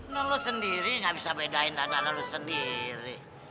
nah lo sendiri gak bisa bedain dandanan lo sendiri